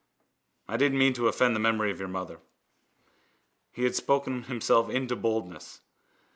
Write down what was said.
I didn't mean to offend the memory of your mother. He had spoken himself into boldness.